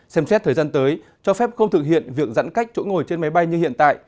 xem xét thời gian tới cho phép không thực hiện việc giãn cách chỗ ngồi trên máy bay như hiện tại